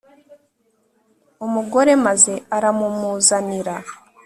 Umugore maze aramumuzanira